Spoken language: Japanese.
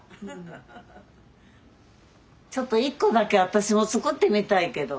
ちょっと１個だけ私も作ってみたいけど。